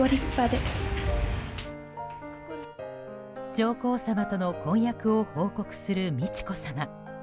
上皇さまとの婚約を報告する美智子さま。